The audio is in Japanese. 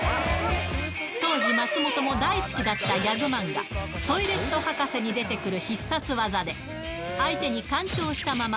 当時、松本も大好きだったギャグ漫画、トイレット博士に出てくる必殺技で、相手にカンチョーしたまま、